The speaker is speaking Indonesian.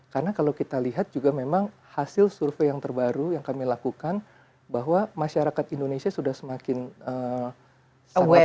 karena kalau kita lihat juga memang hasil survei yang terbaru yang kami lakukan bahwa masyarakat indonesia sudah semakin aware dan selain melek teknologi juga melek finansial